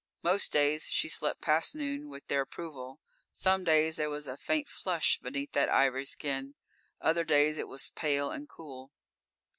Most days she slept past noon with their approval. Some days there was a faint flush beneath that ivory skin; other days it was pale and cool.